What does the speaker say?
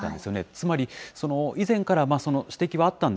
つまり、以前から指摘はあったん